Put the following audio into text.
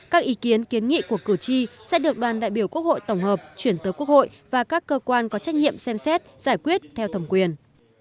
các ý kiến kiến nghị của cử tri sẽ được đoàn đại biểu quốc hội tổng hợp chuyển tới quốc hội và các cơ quan có trách nhiệm xem xét giải quyết theo thẩm quyền